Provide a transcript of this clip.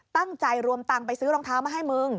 ตั้งใจรวมตังค์ไปซื้อรองเท้ามาให้มึง